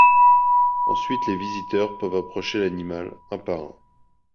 Ensuite les visiteurs peuvent approcher l'animal, un par un.